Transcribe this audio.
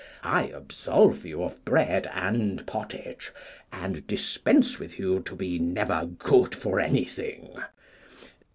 I absolve you of bread and pottage, and dispense with you to be never good for anything.